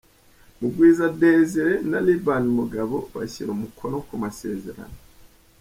Mugwiza Desire na Liban Mugabo bashyira umukono ku masezerano.